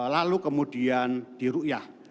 lalu kemudian diruiah